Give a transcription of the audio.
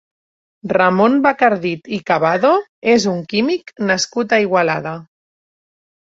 Ramon Bacardit i Cabado és un químic nascut a Igualada.